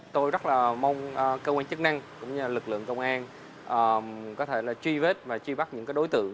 tôi rất là mong cơ quan chức năng cũng như lực lượng công an có thể là truy vết và truy bắt những đối tượng